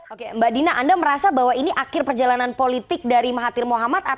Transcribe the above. oke mbak dina anda merasa bahwa ini akhir perjalanan politik dari mahathir mohamad